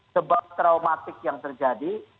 sebab traumatik yang terjadi